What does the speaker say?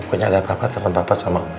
pokoknya ada bapak temen bapak sama mama ya